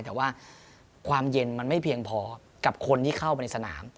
แต่ว่าความเย็นมันไม่เพียงพอกับคนที่เข้าไปในสนาม